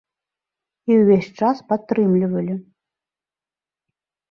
І ўвесь час падтрымлівалі.